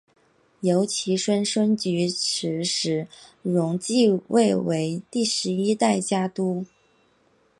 由其孙菊池时隆继位为第十一代家督。